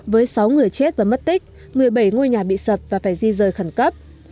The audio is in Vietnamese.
với sáu người chết và mất tích một mươi bảy ngôi nhà bị sập và phải di rời khẩn cấp